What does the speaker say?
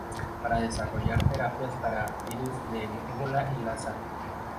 Para desarrollar terapias para virus del Ébola y Lassa.